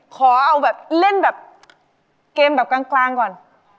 ขอเอาแบบเล่นแบบเกมแบบกลางก่อน